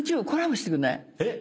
えっ？